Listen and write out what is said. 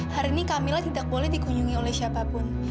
hari ini camilla tidak boleh dikunjungi oleh siapapun